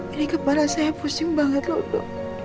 ini kepala saya pusing banget lho